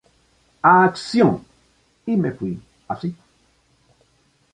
Acción... y me fui, así.